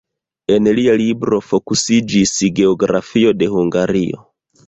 En lia laboro fokusiĝis geografio de Hungario.